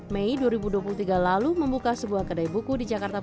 mei dua ribu dua puluh tiga lalu membuka sebuah kedai buku di jakarta